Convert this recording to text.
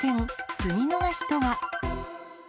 詰み逃しとは？